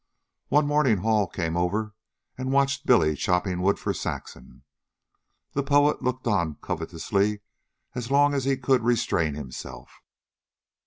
One morning Hall came over and watched Billy chopping wood for Saxon. The poet looked on covetously as long as he could restrain himself.